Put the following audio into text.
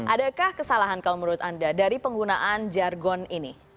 adakah kesalahan kalau menurut anda dari penggunaan jargon ini